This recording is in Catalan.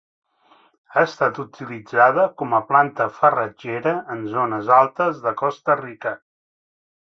Ha estat utilitzada com planta farratgera en zones altes de Costa Rica.